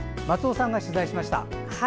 松尾さんが取材しました。